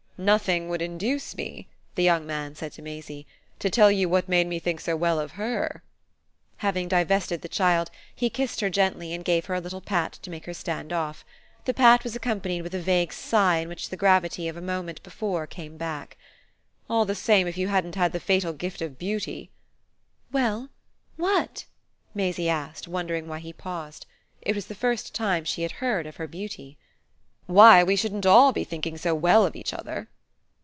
"Nothing would induce me," the young man said to Maisie, "to tell you what made me think so well of HER." Having divested the child he kissed her gently and gave her a little pat to make her stand off. The pat was accompanied with a vague sigh in which his gravity of a moment before came back. "All the same, if you hadn't had the fatal gift of beauty " "Well, what?" Maisie asked, wondering why he paused. It was the first time she had heard of her beauty. "Why, we shouldn't all be thinking so well of each other!"